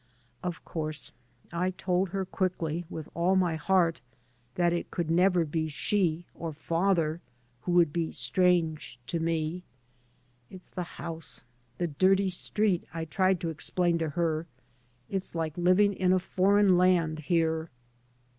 Of course I told her, quickly, with all my 3 by Google MY MOTHER AND I heart, that it could never be she or father who would be " strange " to me. " It's the house, the dirty street," I tried to explain to her. " It's like living in a foreign land here."